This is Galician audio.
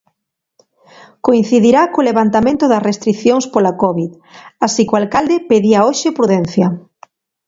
Coincidirá co levantamento das restricións pola covid, así que o alcalde pedía hoxe prudencia.